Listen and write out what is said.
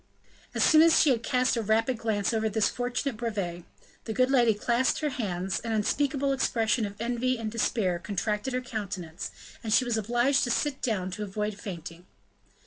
As soon as she had cast a rapid glance over this fortunate brevet, the good lady clasped her hands, an unspeakable expression of envy and despair contracted her countenance, and she was obliged to sit down to avoid fainting.